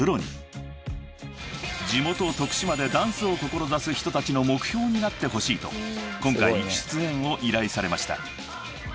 ［地元徳島でダンスを志す人たちの目標になってほしいと今回出演を依頼されました］